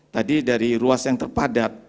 tadi dari ruas yang terpadat